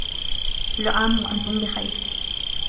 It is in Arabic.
كلّ عامٍ وأنتم بخير.